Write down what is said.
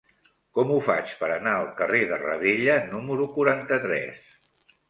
Com ho faig per anar al carrer de Ravella número quaranta-tres?